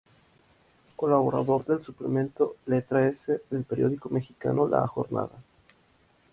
Colaborador del suplemento "Letra S" del periódico mexicano La Jornada.